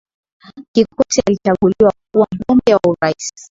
kikwete alichaguliwa kuwa mgombea wa uraisi